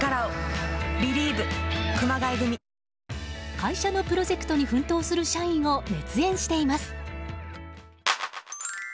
会社のプロジェクトに奮闘する社員を熱演しています。